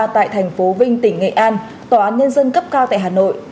tại thành phố vinh tỉnh nghệ an tòa án nhân dân cấp cao tại hà nội